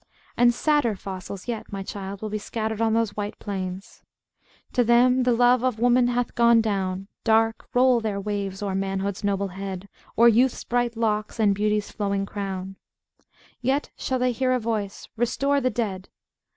And sadder fossils yet, my child, will be scattered on those white plains: "To them the love of woman hath gone down, Dark roll their waves o'er manhood's noble head. O'er youth's bright locks, and beauty's flowing crown; Yet shall they hear a voice, 'Restore the dead.'